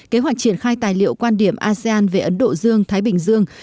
kế hoạch triển khai tài liệu quan điểm asean về ấn độ dương thái bình dương